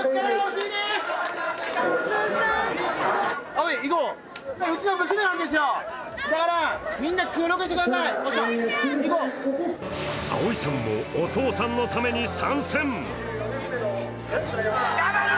愛葵さんもお父さんのために参戦！